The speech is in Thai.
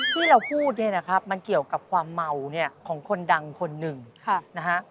ที่เราพูดเนี่ยนะครับมันเกี่ยวกับความเมาเนี่ยของคนดังคนหนึ่งนะฮะ